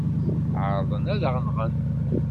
Ɛerḍen ad aɣ-nɣen.